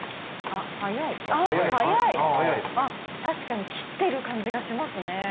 確かに切ってる感じがしますね。